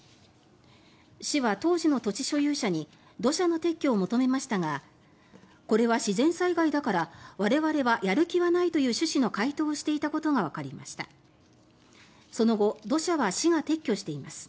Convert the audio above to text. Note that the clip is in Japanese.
市は当時の土地所有者に土砂の撤去を求めましたがこれは自然災害だから我々はやる気はないという趣旨の回答をしていたことがわかりました。